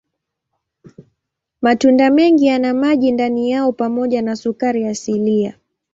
Matunda mengi yana maji ndani yao pamoja na sukari asilia.